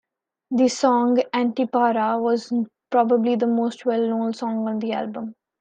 The song "Antipara" was probably the most well-known song on the album.